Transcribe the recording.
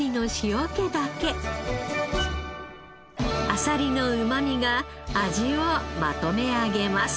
あさりのうまみが味をまとめ上げます。